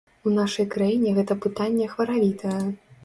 У нашай краіне гэта пытанне хваравітае.